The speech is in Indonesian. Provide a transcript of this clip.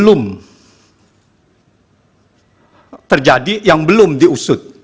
belum terjadi yang belum diusut